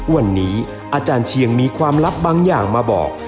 วันนี้อาจารย์เชียงมีความลับบางอย่างมาบอก